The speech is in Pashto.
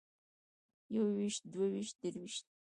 يوويشت دوويشت درويشت